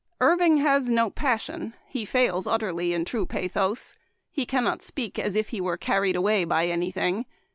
Irving has no passion ; he fails utterly in true pathos — cannot speak as if he were carried away by any thing.